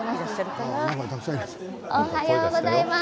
おはようございます。